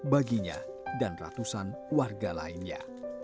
baginya dan ratusan warga lainnya